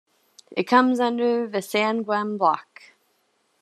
It comes under the Sanguem block.